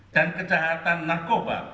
dan kejahatan narkoba